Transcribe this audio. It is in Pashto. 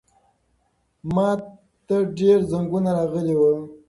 ماته ډېر زنګونه راغلي وو.